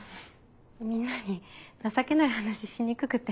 みんなに情けない話しにくくて。